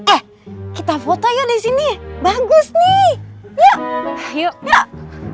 eh kita foto yuk disini bagus nih yuk yuk yuk